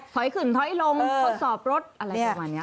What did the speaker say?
ขึ้นถอยลงทดสอบรถอะไรประมาณนี้